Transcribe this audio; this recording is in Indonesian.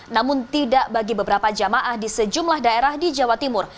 namun tidak bagi beberapa jamaah di sejumlah daerah di jawa timur